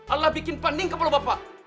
allah bikin paning kepala bapak